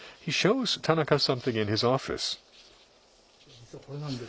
実はこれなんです。